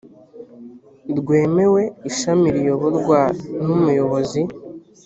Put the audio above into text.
rwemewe ishami riyoborwa n umuyobozi